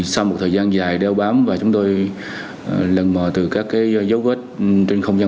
sau một thời gian dài đeo bám và chúng tôi lần mò từ các dấu vết trên không gian